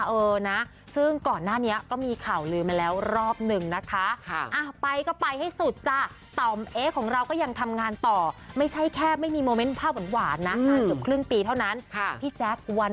เออนะซึ่งก่อนหน้านี้ก็มีข่าวลืมมาแล้วรอบหนึ่งนะคะ